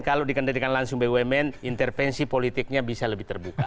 kalau dikendalikan langsung bumn intervensi politiknya bisa lebih terbuka